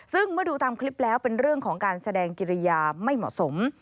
ซึ่งเมื่อดูตามคลิปแล้วเป็นเรื่องของการแสดงกิริยาไม่เหมาะสม